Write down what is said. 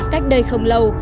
cách đây không lâu